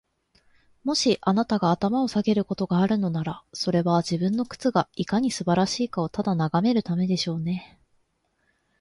もし、あなたが頭を下げることがあるのなら、それは、自分の靴がいかに素晴らしいかをただ眺めるためでしょうね。